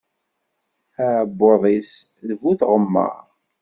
Aɛebbuḍ-is, d bu tɣemmaṛ.